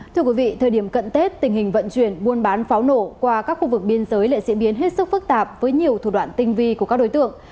thưa quý vị thời điểm cận tết tình hình vận chuyển buôn bán pháo nổ qua các khu vực biên giới lại diễn biến hết sức phức tạp với nhiều thủ đoạn tinh vi của các đối tượng